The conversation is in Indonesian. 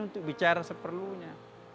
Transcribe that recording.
untuk bicara seperlunya